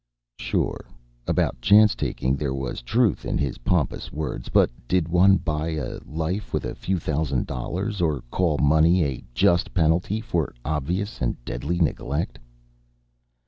Sure. About chance taking there was truth in his pompous words. But did one buy a life with a few thousand dollars, or call money a just penalty for obvious and deadly neglect?